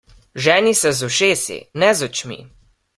Ženi se z ušesi, ne z očmi!